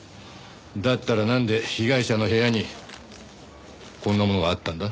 だったらなんで被害者の部屋にこんなものがあったんだ？